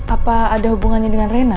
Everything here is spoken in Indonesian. apa ada hubungannya dengan rena